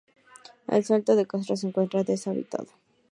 El Salto de Castro se encuentra deshabitado.